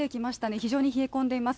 非常に冷え込んでいます。